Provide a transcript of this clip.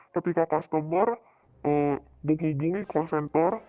ketika customer buku buku ini call center